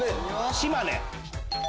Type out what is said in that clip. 島根。